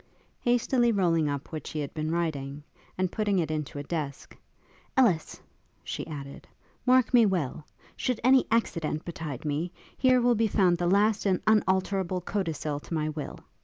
Hastily rolling up what she had been writing, and putting it into a desk, 'Ellis!' she added, 'Mark me well! should any accident betide me, here will be found the last and unalterable codicil to my will.